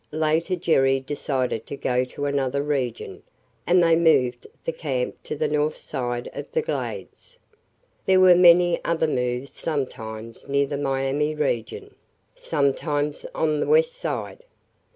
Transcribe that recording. Later Jerry decided to go to another region, and they moved the camp to the north side of the Glades. There were many other moves sometimes near the Miami region, sometimes on the west side.